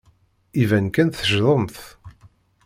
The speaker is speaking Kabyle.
Iban kan teccḍemt.